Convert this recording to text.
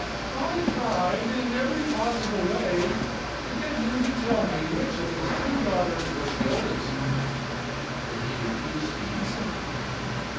"'I tried, in every possible way, to get him to tell me which of his two daughters was the oldest.' "'Did he refuse to answer?